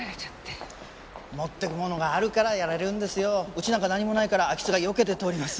うちなんか何もないから空き巣が避けて通ります。